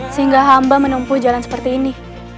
sehingga hamba menempuh jalan seperti ini